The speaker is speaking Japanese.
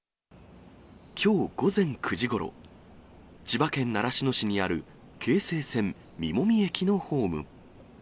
きょう午前９時ごろ、千葉県習志野市にある京成線実籾駅のホーム。